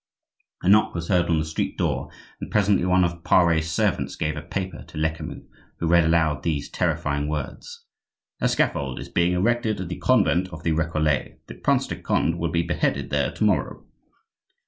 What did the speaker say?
A knock was heard on the street door and presently one of Pare's servants gave a paper to Lecamus, who read aloud these terrifying words:— "A scaffold is being erected at the convent of the Recollets: the Prince de Conde will be beheaded there to morrow."